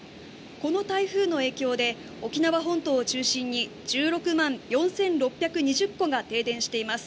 この台風の影響で沖縄本島を中心に１６万４６２０戸が停電しています。